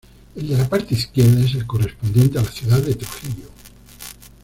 El de la parte izquierda es el correspondiente a la ciudad de Trujillo.